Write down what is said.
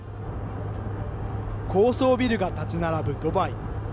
高層ビルが建ち並ぶドバイ。